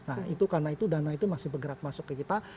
nah itu karena itu dana itu masih bergerak masuk ke kita